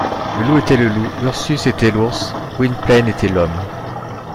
Le loup était le loup, Ursus était l’ours, Gwynplaine était l’homme.